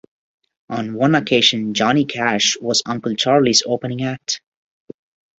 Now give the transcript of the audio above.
On one occasion, Johnny Cash was Uncle Charlie's "opening act".